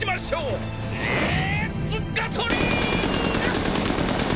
レッツガトリング！